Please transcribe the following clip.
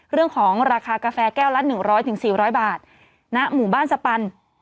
เรื่องของราคากาแฟแก้วละ๑๐๐๔๐๐บาทณหมู่บ้านสปัน